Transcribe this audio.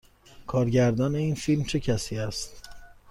کارگردان این فیلم چه کسی است؟